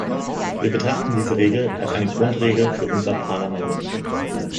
Wir betrachten diese Regel als eine Grundregel für unser Parlament.